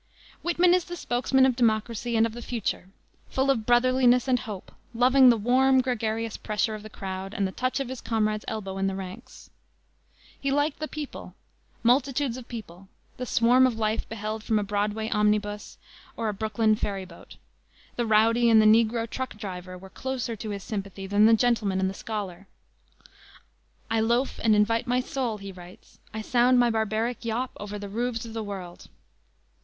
Whitman is the spokesman of Democracy and of the future; full of brotherliness and hope, loving the warm, gregarious pressure of the crowd and the touch of his comrade's elbow in the ranks. He liked the people multitudes of people; the swarm of life beheld from a Broadway omnibus or a Brooklyn ferry boat. The rowdy and the Negro truck driver were closer to his sympathy than the gentleman and the scholar. "I loafe and invite my soul," he writes: "I sound my barbaric yawp over the roofs of the world."